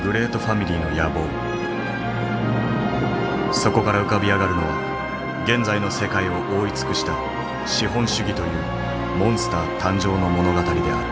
そこから浮かび上がるのは現在の世界を覆い尽くした資本主義というモンスター誕生の物語である。